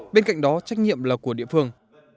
bên cạnh đó trách nhiệm là của địa phương